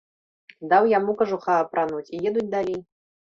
Даў яму кажуха апрануць, і едуць далей.